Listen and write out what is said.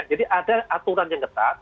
jadi ada aturan yang ketat